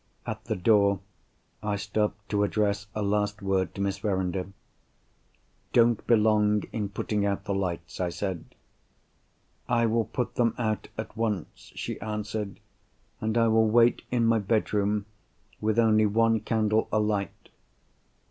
At the door, I stopped to address a last word to Miss Verinder. "Don't be long in putting out the lights," I said. "I will put them out at once," she answered. "And I will wait in my bedroom, with only one candle alight."